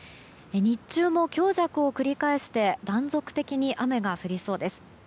日中も強弱を繰り返して断続的に雨が降りそうです。